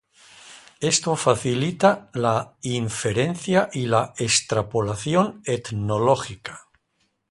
Esto facilita la inferencia y la extrapolación etnológica.